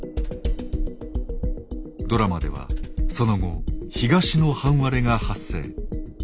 ドラマではその後東の半割れが発生。